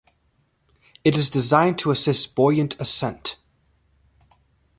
It is designed to assist buoyant ascent.